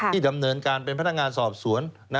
ดำเนินการเป็นพนักงานสอบสวน